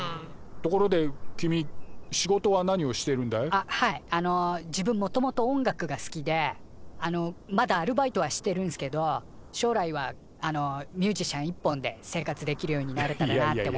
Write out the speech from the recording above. あっはいあの自分もともと音楽が好きであのまだアルバイトはしてるんすけど将来はあのミュージシャン一本で生活できるようになれたらなって。